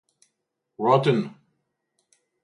Rotten!